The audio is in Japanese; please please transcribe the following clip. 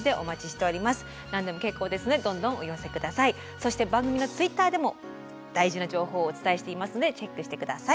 そして番組のＴｗｉｔｔｅｒでも大事な情報をお伝えしていますのでチェックして下さい。